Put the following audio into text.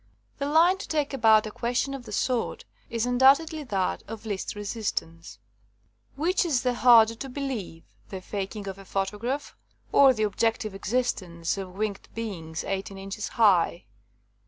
*'The line to take about a question of the sort is undoubtedly that of least resistance. Which is the harder of belief, the faking of a photograph or the objective existence of winged beings eighteen inches high?